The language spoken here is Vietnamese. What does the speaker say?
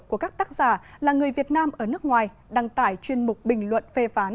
của các tác giả là người việt nam ở nước ngoài đăng tải chuyên mục bình luận phê phán